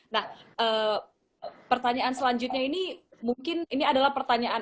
nah pertanyaan selanjutnya ini mungkin ini adalah pertanyaan